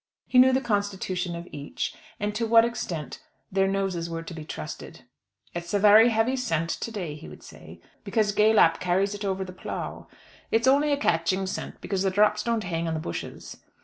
He knew the constitution of each, and to what extent their noses were to be trusted. "It's a very heavy scent to day," he would say, "because Gaylap carries it over the plough. It's only a catching scent because the drops don't hang on the bushes."